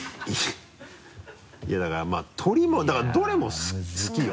いやだからまぁ鶏もだからどれも好きよ。